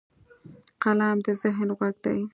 قلم د ذهن غوږ دی